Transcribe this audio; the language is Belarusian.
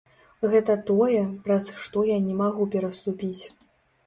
Гэта тое, праз што я не магу пераступіць.